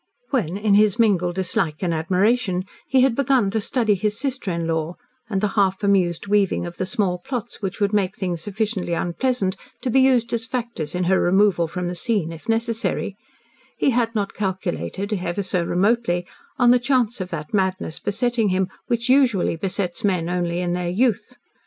When, in his mingled dislike and admiration, he had begun to study his sister in law, and the half amused weaving of the small plots which would make things sufficiently unpleasant to be used as factors in her removal from the scene, if necessary, he had not calculated, ever so remotely, on the chance of that madness besetting him which usually besets men only in their youth.